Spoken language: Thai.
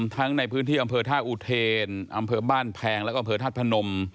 ทั้งในพื้นที่อำเภอท่าอุเทนอำเภอบ้านแพงแล้วก็อำเภอธาตุพนม